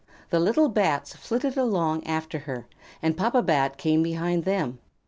The little Bats flitted along after her, and Papa Bat came behind them.